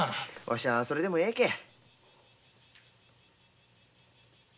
わしはそれでもええけえ。